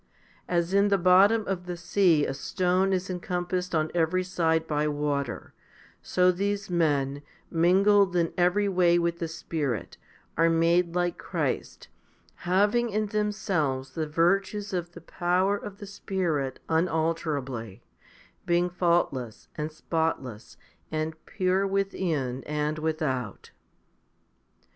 As in the bottom of the sea a stone is encompassed on every side by water, so these men, mingled in every way with the Spirit, are made like Christ, having in themselves the virtues of the power of the Spirit unalterably, being faultless and spotless and pure within and without.